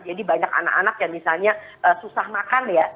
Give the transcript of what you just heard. jadi banyak anak anak yang misalnya susah makan ya